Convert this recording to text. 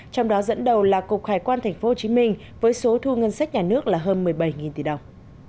trong đó dẫn đầu là cục hải quan tp hcm với số thu ngân sách nhà nước là hơn một mươi bảy tỷ đồng